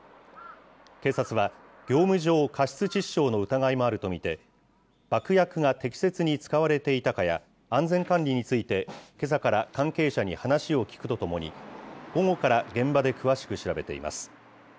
警察は業務上過失致死傷の疑いもあると見て、爆薬が適切に使われていたかや、安全管理について、けさから関係者に話を聴くとともに、午後から現場で詳しく調べています。